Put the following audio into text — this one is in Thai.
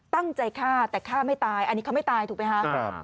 ตั้งใจฆ่าแต่ฆ่าไม่ตายอันนี้เขาไม่ตายถูกไหมคะ